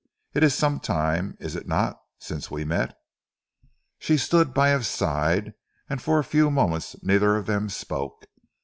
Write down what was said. "It is some time, is it not, since we met?" She stood by his side, and for a few moments neither of them spoke.